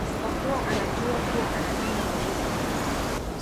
kwa kuwa anajua kuwa anapenda muziki